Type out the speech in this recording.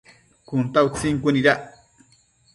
Cun ta utsin cuënuidac